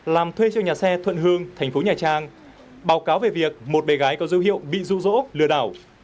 làm thuê cho nhà xe thuận hương thành phố nhà trang báo cáo về việc một bé gái có dấu hiệu bị rụ rỗ lừa đảo